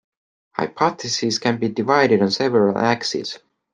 Hypotheses can be divided on several axes.